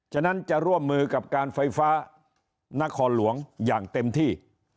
ฉะนั้นจะร่วมมือกับการไฟฟ้านครหลวงอย่างเต็มที่